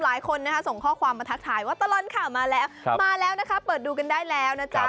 หลายคนนะคะส่งข้อความมาทักทายว่าตลอดข่าวมาแล้วมาแล้วนะคะเปิดดูกันได้แล้วนะจ๊ะ